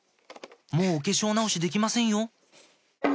もうお化粧直しできませんよ